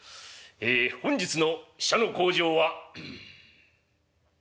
え本日の使者の口上は」。